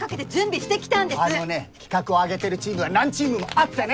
企画を上げてるチームは何チームもあってね！